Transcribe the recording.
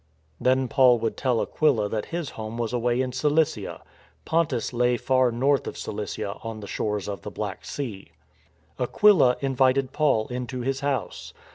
Then Paul would tell Aquila that his home was away in Cilicia. Pontus lay far north of Cilicia on the shores of the Black Sea. Aquila invited Paul into his house.